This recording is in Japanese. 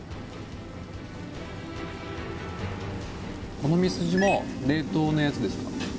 このミスジも冷凍のやつですか？